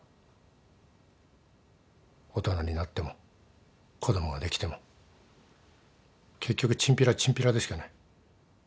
大人になっても子供ができても結局チンピラはチンピラでしかない。